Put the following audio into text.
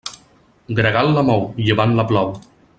Gregal la mou, llevant la plou.